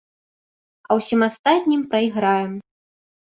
А ўсім астатнім прайграем.